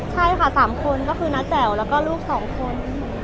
ใช่ค่ะ๓คนก็คือน้าแจ๋วแล้วก็ลูก๒คน